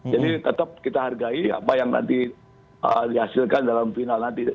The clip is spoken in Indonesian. jadi tetap kita hargai apa yang nanti dihasilkan dalam final nanti